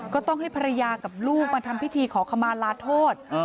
ต้องให้ภรรยากับลูกมาทำพิธีขอขมาลาโทษ